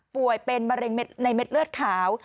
ป่วยเป็นมะเร็งในเม็ดเลือดขาว